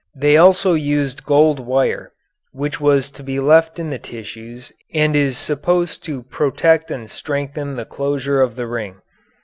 They also used gold wire, which was to be left in the tissues and is supposed to protect and strengthen the closure of the ring.